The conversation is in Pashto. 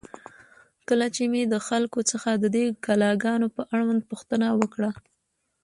کله مې چې د خلکو څخه د دې کلا گانو په اړوند پوښتنه وکړه،